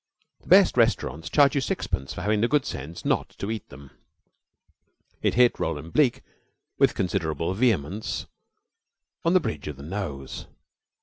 The best restaurants charge you sixpence for having the good sense not to eat them. It hit Roland Bleke with considerable vehemence on the bridge of the nose.